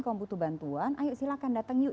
kamu butuh bantuan ayo silakan datang yuk